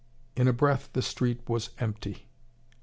In a breath the street was empty.